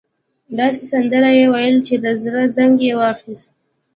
داسې سندرې يې وويلې چې د زړه زنګ يې واخيست.